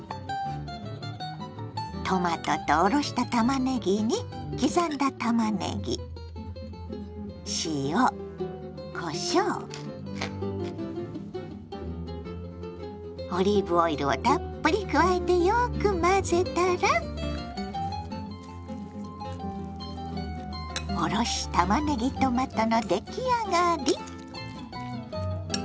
トマトとおろしたたまねぎに刻んだたまねぎ塩こしょうオリーブオイルをたっぷり加えてよく混ぜたら「おろしたまねぎトマト」の出来上がり。